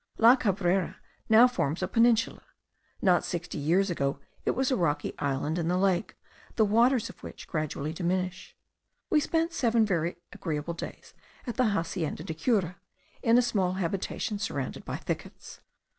La Cabrera now forms a peninsula: not sixty years ago it was a rocky island in the lake, the waters of which gradually diminish. We spent seven very agreeable days at the Hacienda da Cura, in a small habitation surrounded by thickets.